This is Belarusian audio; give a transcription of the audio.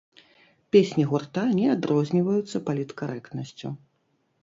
Песні гурта не адрозніваюцца паліткарэктнасцю.